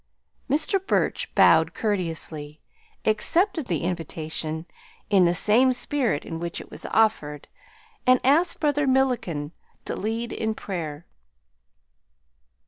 Mr. Burch bowed courteously, accepted the invitation "in the same spirit in which it was offered," and asked Brother Milliken to lead in prayer.